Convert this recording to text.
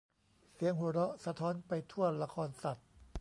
เสียงหัวเราะสะท้อนไปทั่วละครสัตว์